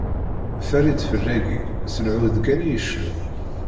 Farid Ferragi s lɛud kan i icennu.